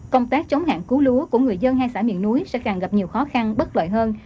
công tác chống hạn cứu lúa của người dân hai xã miền núi sẽ càng gặp nhiều khó khăn bất lợi hơn